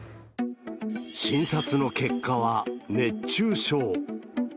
診察の結果は熱中症。